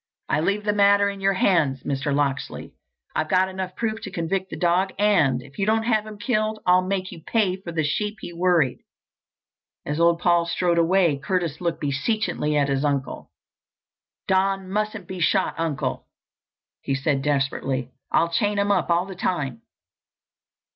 "I leave the matter in your hands, Mr. Locksley. I've got enough proof to convict the dog and, if you don't have him killed, I'll make you pay for the sheep he worried." As old Paul strode away, Curtis looked beseechingly at his uncle. "Don mustn't be shot, Uncle!" he said desperately. "I'll chain him up all the time."